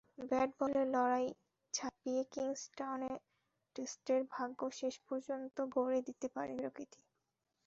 ব্যাট-বলের লড়াই ছাপিয়ে কিংস্টন টেস্টের ভাগ্য শেষ পর্যন্ত গড়ে দিতে পারে প্রকৃতি।